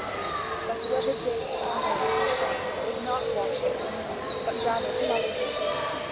But whoever dips honour into shame, does not wash it, but rather sullies it.